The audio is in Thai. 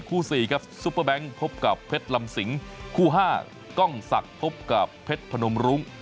คู่๔ครับซุปเปอร์แบงค์พบกับเพชรลำสิงคู่๕กล้องศักดิ์พบกับเพชรพนมรุ้ง